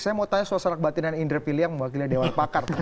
saya mau tanya suasana kebatinan indra piliang wakilnya dewan pakar